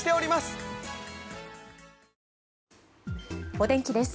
お天気です。